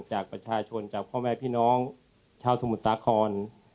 จากประชาชนจากพ่อแม่พี่น้องชาวสมุทรสาคร